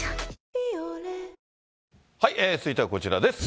「ビオレ」続いてはこちらです。